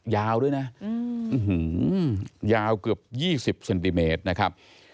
ยาวด้วยนะยาวเกือบ๒๐เซนติเมตรนะครับ